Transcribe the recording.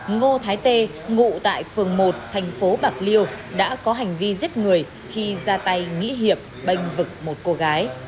ngô thái tê ngụ tại phường một thành phố bạc liêu đã có hành vi giết người khi ra tay nghĩa hiệp banh vực một cô gái